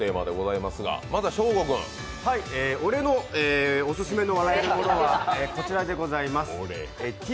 俺のオススメの笑えるものはこちらでございます。